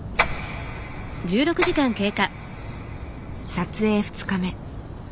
撮影２日目。